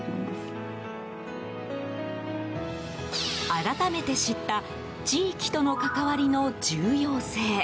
改めて知った地域との関わりの重要性。